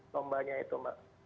sombanya itu mbak